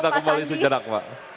kita kembali sejenak pak